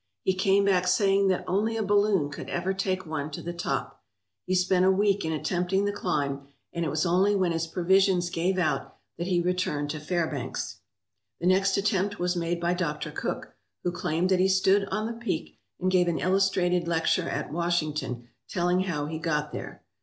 He came back saying that only a balloon could ever take one to the top. He spent a week in attempting the climb, and it was only when his provisions gave out that he returned to Fairbanks. The next attempt was made by Doctor Cook, who claimed that he stood on the peak, and gave an illustrated lecture at Washington, telling how he got there.